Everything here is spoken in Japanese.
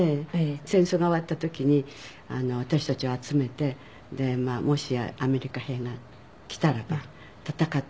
戦争が終わった時に私たちを集めて「もしアメリカ兵が来たらば戦って死ね」と言うんですよね。